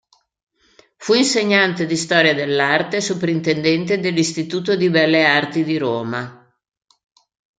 Fu insegnante di Storia dell'arte e soprintendente dell'Istituto di Belle Arti di Roma.